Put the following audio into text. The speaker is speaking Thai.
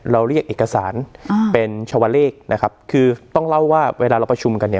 เราเรียกเอกสารอ่าเป็นชาวเลขนะครับคือต้องเล่าว่าเวลาเราประชุมกันเนี่ย